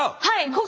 はい。